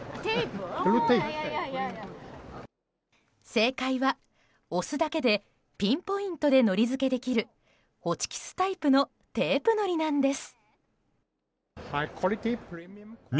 正解は押すだけでピンポイントでのり付けできるホチキスタイプのテープのりなんです。